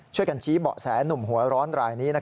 ช่วยกันชี้เบาะแสนุ่มหัวร้อนรายนี้